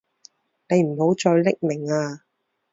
你唔好再匿名喇